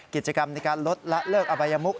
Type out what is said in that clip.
กิจกรรมในการลดละเลิกอบัยมุก